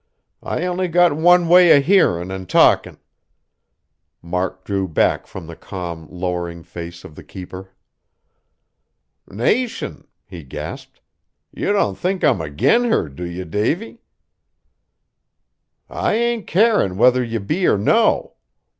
I only got one way o' hearin' an' talkin'." Mark drew back from the calm, lowering face of the keeper. "Nation!" he gasped, "you don't think I'm agin her, do you, Davy?" "I ain't carin' whether ye be or no.